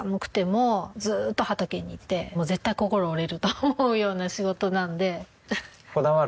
もう絶対心折れると思うような仕事なので。